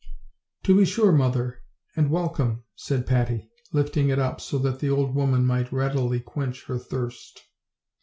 "To be sure, mother, and welcome," said Patty, lifting it up so that the old woman might readily quench her thirst.